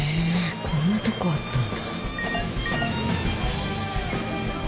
こんなとこあったんだ。